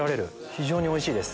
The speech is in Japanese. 非常においしいです。